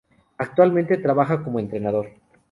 Actualmente trabaja como entrenador.